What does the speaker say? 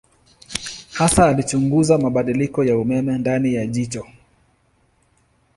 Hasa alichunguza mabadiliko ya umeme ndani ya jicho.